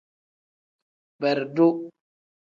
Beredu.